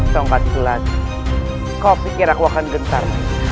dong katiku lagi kau pikir aku akan gentar